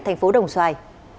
tp đồng xoài